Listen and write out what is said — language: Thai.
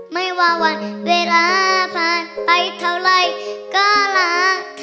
ไม่ว่าวันเวลาผ่านไปเท่าไหร่ก็รักเธอ